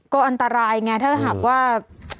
ก็อันตรายไงถ้าหากว่า